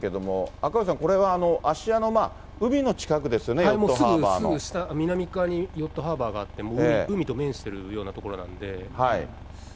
赤星さん、これは芦屋の海の近くですよね、すぐ南側にヨットハーバーがあって、海と面しているような所なんで。